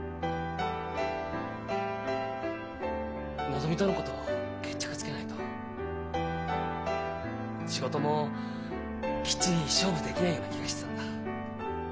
のぞみとのこと決着つけないと仕事もきっちり勝負できないような気がしてたんだ。